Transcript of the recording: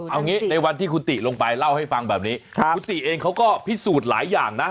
เอางี้ในวันที่คุณติลงไปเล่าให้ฟังแบบนี้คุณติเองเขาก็พิสูจน์หลายอย่างนะ